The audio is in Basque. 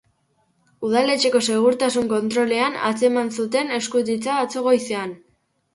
Udaletxeko segurtasun kontrolean atzeman zuten eskutitza atzo goizean.